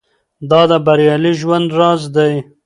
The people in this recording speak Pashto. دا د بریالي ژوند راز دی.